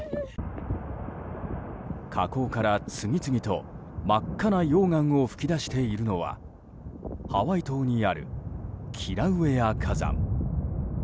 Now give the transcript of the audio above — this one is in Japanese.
火口から次々と真っ赤な溶岩を噴き出しているのはハワイ島にあるキラウエア火山。